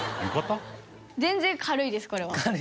全然軽いですこれは。